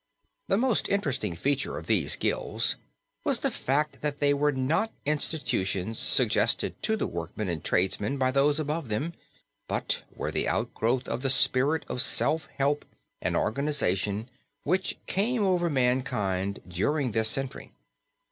The most interesting feature of these guilds was the fact that they were not institutions suggested to the workmen and tradesmen by those above them, but were the outgrowth of the spirit of self help and organization which, came over mankind during this century.